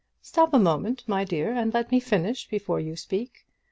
Stop a moment, my dear, and let me finish before you speak.